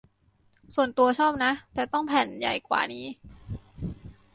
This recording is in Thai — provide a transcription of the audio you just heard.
ส่วนตัวชอบนะ แต่ต้องแผ่นใหญ่กว่านี้